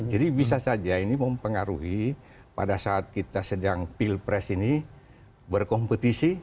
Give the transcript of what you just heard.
jadi bisa saja ini mempengaruhi pada saat kita sedang pilpres ini berkompetisi